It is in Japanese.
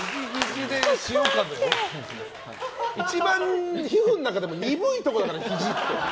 一番、皮膚の中でも鈍いところだから、ひじって。